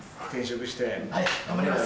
はい頑張ります。